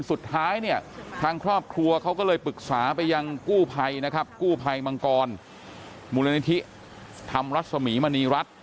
สุดท้ายทางครอบครัวเขาก็เลยปรึกษาไปยังกู้ภัยมังกรมูลนิธิธรรมรัฐสมิมณีรัฐ